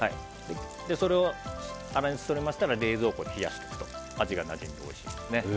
それを粗熱取れたら冷蔵庫で冷やしておくと味がなじんでおいしいですね。